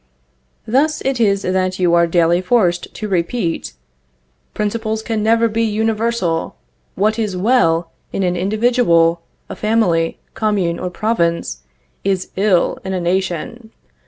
Thus it is that you are daily forced to repeat: "Principles can never be universal. What is well in an individual, a family, commune, or province, is ill in a nation.